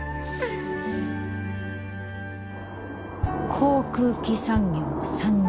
航空機産業参入。